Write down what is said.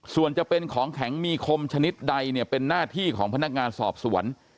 ส่วนจะเป็นของแข็งมีคมชนิดใดเนี่ยเป็นหน้าที่ของพนักงานสอบสวน